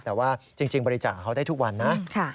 แต่ว่าจริงบริจาคเขาได้ทุกวันนะ